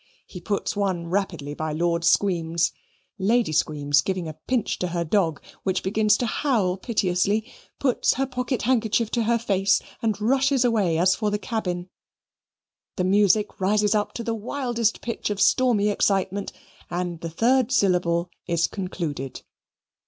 He puts one rapidly by Lord Squeams Lady Squeams, giving a pinch to her dog, which begins to howl piteously, puts her pocket handkerchief to her face, and rushes away as for the cabin. The music rises up to the wildest pitch of stormy excitement, and the third syllable is concluded.